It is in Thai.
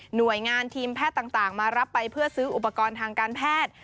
หน่วยงานทีมแพทย์ต่างมารับไปเพื่อซื้ออุปกรณ์ทางการแพทย์